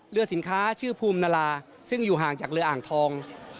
เรือสินค้าชื่อภูมินาราซึ่งอยู่ห่างจากเรืออ่างทอง